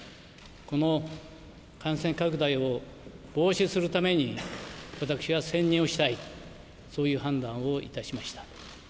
この感染拡大を防止するために、私は専任をしたい、そういう判断をいたしました。